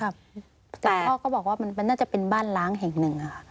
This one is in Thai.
แต่พ่อก็บอกว่ามันน่าจะเป็นบ้านล้างแห่งหนึ่งค่ะ